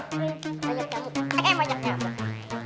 hai anak kalian tuyul tuyul anak